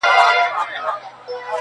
که یې سیلیو چڼچڼۍ وهلي-